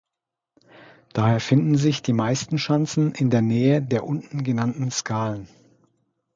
Daher finden sich die meisten Schanzen in der Nähe der unten genannten Skalen.